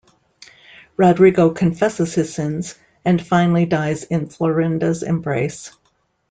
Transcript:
Rodrigo confesses his sins, and finally dies in Florinda's embrace.